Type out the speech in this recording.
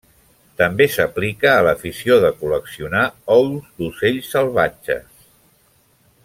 També s'aplica a l'afició de col·leccionar ous d'ocells salvatges.